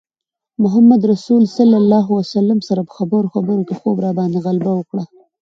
محمدرسول سره په خبرو خبرو کې خوب راباندې غلبه وکړه.